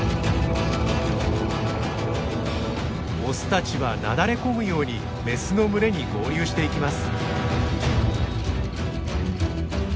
オスたちはなだれ込むようにメスの群れに合流していきます。